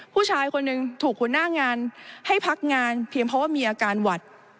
ผู้ชายคนหนึ่งถูกหัวหน้างานให้พักงานเพียงเพราะว่ามีอาการหวัด